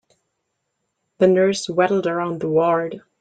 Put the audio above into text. The nurse waddled around the ward.